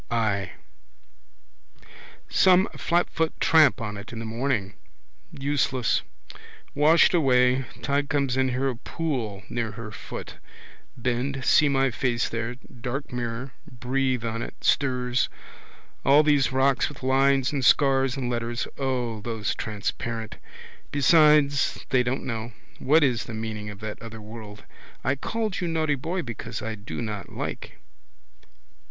I. Some flatfoot tramp on it in the morning. Useless. Washed away. Tide comes here. Saw a pool near her foot. Bend, see my face there, dark mirror, breathe on it, stirs. All these rocks with lines and scars and letters. O, those transparent! Besides they don't know. What is the meaning of that other world. I called you naughty boy because I do not like.